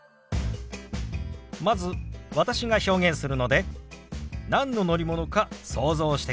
まず私が表現するので何の乗り物か想像してください。